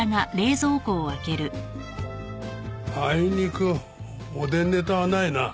あいにくおでんネタはないな。